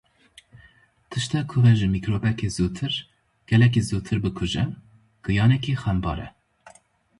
Tiştê ku we ji mîkrobekê zûtir, gelekî zûtir bikuje, giyanekî xembar e.